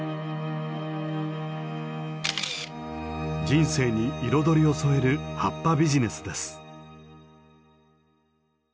人生に彩りを添える葉っぱビジネスです。